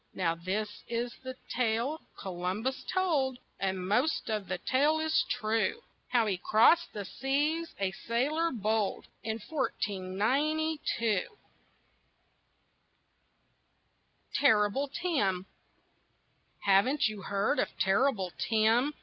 Now this is the tale Columbus told, And most of the tale is true, How he crossed the seas, a sailor bold, In fourteen ninety two. TERRIBLE TIM Haven't you heard of Terrible Tim!